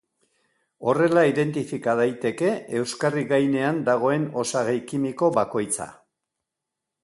Horrela identifika daiteke euskarri gainean dagoen osagai kimiko bakoitza.